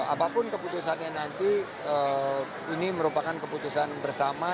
apapun keputusannya nanti ini merupakan keputusan bersama